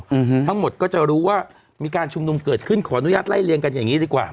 อืมทั้งหมดก็จะรู้ว่ามีการชุมนุมเกิดขึ้นขออนุญาตไล่เรียงกันอย่างงี้ดีกว่า